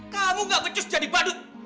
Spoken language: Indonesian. kamu nggak kecus jadi badut